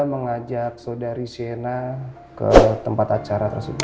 mengajak saudari shena ke tempat acara tersebut